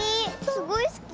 すごいすき。